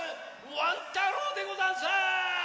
ワン太郎でござんす！